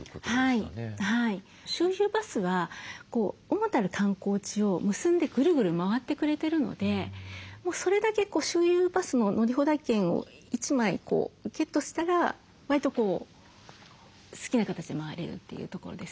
周遊バスは主たる観光地を結んでグルグル回ってくれてるのでもうそれだけ周遊バスの乗り放題券を１枚ゲットしたらわりと好きな形で回れるというところですね。